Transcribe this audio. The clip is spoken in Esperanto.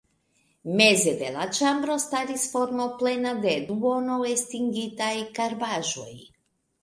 Meze de la ĉambro staris forno plena de duone estingitaj karbaĵoj.